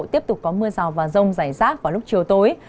tiếp tục có mưa rào và rông rải rác vào lúc chiều tối